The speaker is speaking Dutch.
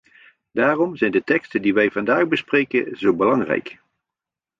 Daarom zijn de teksten die wij vandaag bespreken, zo belangrijk.